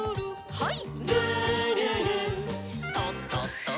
はい。